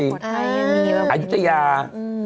สุโขทัยยังมีเยอะมาก